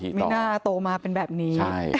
ไม่น่าโตมาเป็นแบบนี้